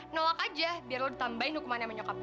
nolak aja biar lo ditambahin hukuman sama nyokap gue